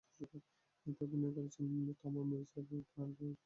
এতে অভিনয় করেছেন তমা মির্জা, প্রাণ রায়, শর্মিমালা, মামুনুর রশীদ, নিরব প্রমুখ।